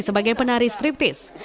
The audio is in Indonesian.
sebagai penari striptease